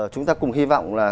chúng ta cùng hy vọng là